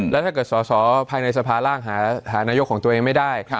แล้วถ้าเกิดสอสอภายในสภาร่างหานายกของตัวเองไม่ได้